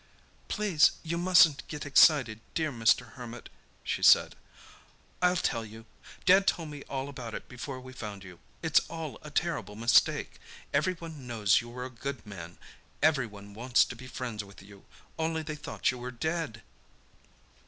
"Please, you mustn't get excited, dear Mr. Hermit," she said. "I'll tell you. Dad told me all about it before we found you. It's all a terrible mistake. Every one knows you were a good man. Everyone wants to be friends with you. Only they thought you were dead."